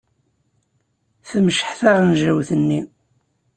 Temceḥ taɣenjayt-nni.